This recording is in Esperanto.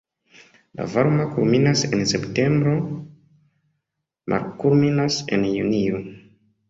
La varmo kulminas en septembro, malkulminas en junio.